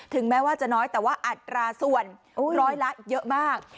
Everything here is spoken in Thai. แม้ว่าจะน้อยแต่ว่าอัตราส่วนร้อยละเยอะมาก